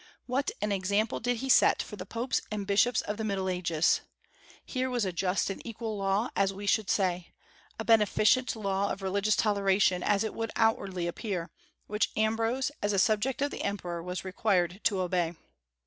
What an example did he set for the popes and bishops of the Middle Ages! Here was a just and equal law, as we should say, a beneficent law of religious toleration, as it would outwardly appear, which Ambrose, as a subject of the emperor, was required to obey.